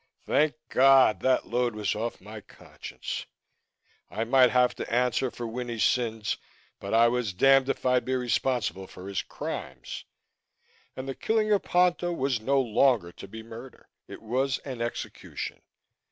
Thank God! that load was off my conscience. I might have to answer for Winnie's sins but I was damned if I'd be responsible for his crimes. And the killing of Ponto was no longer to be murder, it was an execution.